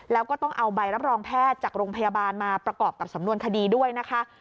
แล้วก็ต้องเอาใบรับรองแพทย์จากโรงพยาบาลมาประกอบกับสำนวนคดีด้วยนะคะ